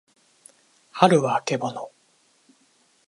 はるはあけぼの